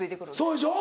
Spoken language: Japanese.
そうでしょ。